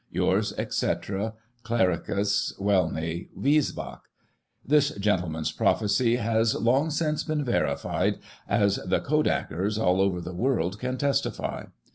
— ^Yours, etc, Clericus, Welney, WisbeacL" This gentleman's prophecy has, long since, been verified, as the " Kodakers " all over the world can testify.